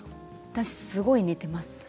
私、すごい寝てます。